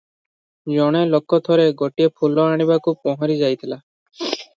ଜଣେ ଲୋକ ଥରେ ଗୋଟାଏ ଫୁଲ ଆଣିବାକୁ ପହଁରି ଯାଇଥିଲା ।